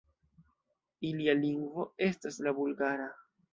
Ilia lingvo estas la bulgara.